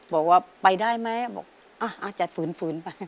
บอกว่าไปได้ไหมบอกอาจจะฝืนฝืนไป